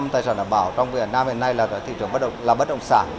tám mươi tài sản đảm bảo trong việt nam hiện nay là thị trường bất động sản